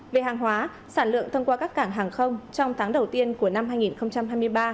về hàng hóa sản lượng thông qua các cảng hàng không trong tháng đầu tiên của năm hai nghìn hai mươi ba